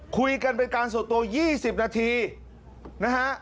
เป็นการส่วนตัว๒๐นาทีนะฮะ